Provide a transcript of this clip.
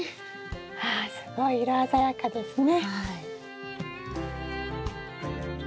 ああすごい色鮮やかですね。